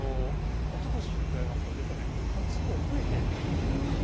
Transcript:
おととしに比べますと、実はね、８校増えているんですよ。